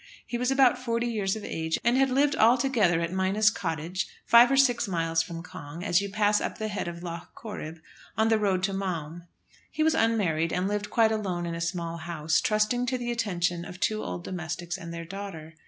He was about forty years of age, and had lived altogether at Minas Cottage, five or six miles from Cong, as you pass up the head of Lough Corrib, on the road to Maum. He was unmarried, and lived quite alone in a small house, trusting to the attentions of two old domestics and their daughter.